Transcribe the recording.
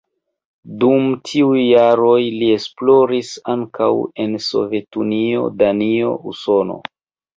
Dum tiuj jaroj li esploris ankaŭ en Sovetunio, Danio, Usono.